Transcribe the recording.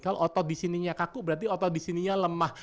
kalau otot di sininya kaku berarti otot di sininya lemah